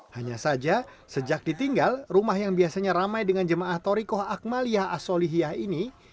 hanya saja sejak ditinggal rumah yang biasanya ramai dengan jemaah torikoh akmaliyah asolihiyah ini